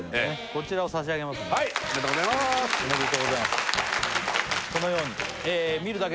こちらを差し上げますんでおめでとうございますおめでとうございます